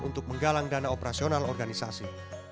untuk menggalang dana operasional organisasi